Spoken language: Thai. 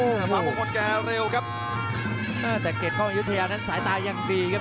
โอ้โหขวามคนแกเร็วครับเอ่อแต่เกร็ดกล้องยุธยานั้นสายตายังดีครับ